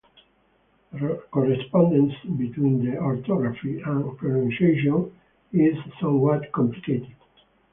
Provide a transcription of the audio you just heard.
The correspondence between the orthography and pronunciation is somewhat complicated.